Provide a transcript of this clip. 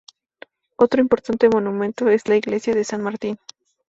Otro importante monumento es la iglesia de San Martín.